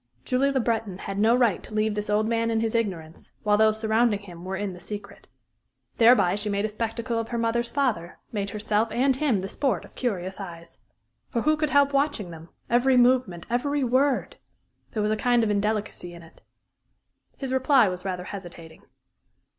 _" Julie Le Breton had no right to leave this old man in his ignorance, while those surrounding him were in the secret. Thereby she made a spectacle of her mother's father made herself and him the sport of curious eyes. For who could help watching them every movement, every word? There was a kind of indelicacy in it. His reply was rather hesitating.